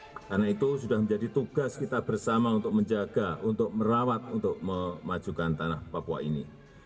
karena itu sudah menjadi tugas kita bersama untuk menjaga untuk merawat untuk memajukan tanah papua ini